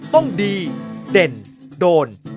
ต้องดีเด่นโดน